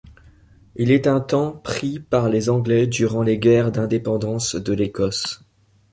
Il est un temps pris par les Anglais durant les Guerres d'indépendance de l'Écosse.